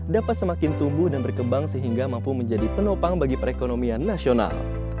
dapat semakin tumbuh dan berkembang sehingga mampu menjadi penopang bagi perekonomian nasional